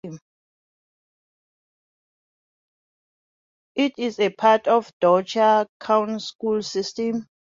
It is a part of the Dougherty County School System.